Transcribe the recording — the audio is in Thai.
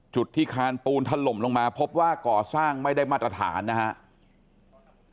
จุดที่คานปูนถล่มลงมาพบว่าก่อสร้างไม่ได้มาตรฐานนะครับ